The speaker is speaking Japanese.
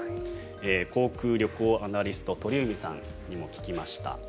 航空・旅行アナリスト鳥海さんにも聞きました。